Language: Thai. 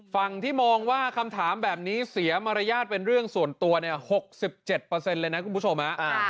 ฝั่งที่มองว่าคำถามแบบนี้เสียมารยาทเป็นเรื่องส่วนตัว๖๗เลยนะคุณผู้ชม